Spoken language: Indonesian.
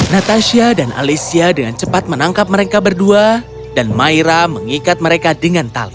natasha dan alicia dengan cepat menangkap mereka berdua dan maira mengikat mereka dengan tali